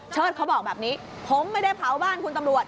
เชิดเขาบอกแบบนี้ผมไม่ได้เผาบ้านคุณตำรวจ